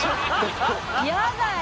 やだよ。